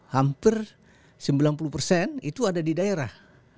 hampir sembilan puluh persen itu ada di daerah